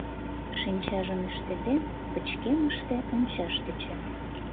Шинчажым ӱштеден, пычкемыште ончаш тӧча.